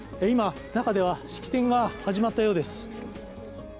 今、中では式典が始まったようです